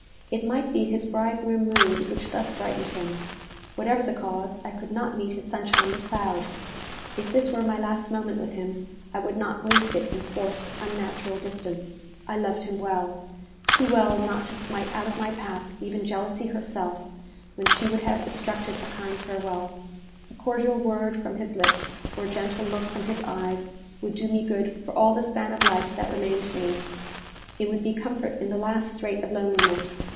It might be his bridegroom mood which thus brightened him. Whatever the cause, I could not meet his sunshine with cloud. If this were my last moment with him, I would not waste it in forced, unnatural distance. I loved him well too well not to smite out of my path even Jealousy herself, when she would have obstructed a kind farewell. A cordial word from his lips, or a gentle look from his eyes, would do me good for all the span of life that remained to me. It would be comfort in the last strait of loneliness.